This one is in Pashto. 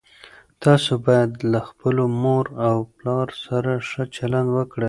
تاسو باید له خپلو مور او پلار سره ښه چلند وکړئ.